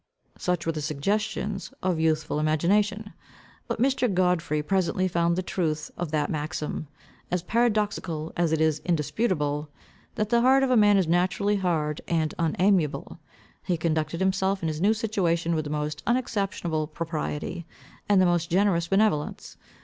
Such were the suggestions of youthful imagination. But Mr. Godfrey presently found the truth of that maxim, as paradoxical as it is indisputable, that the heart of man is naturally hard and unamiable. He conducted himself in his new situation with the most unexceptionable propriety, and the most generous benevolence.